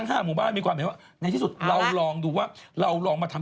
พูดเชี่ยวชาญทางด้านนั้นค่ะ